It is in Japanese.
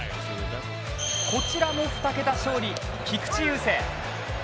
こちらも２桁勝利、菊池雄星。